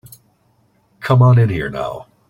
Come on in here now.